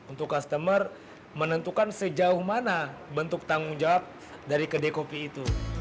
untuk customer menentukan sejauh mana bentuk tanggung jawab dari kedai kopi itu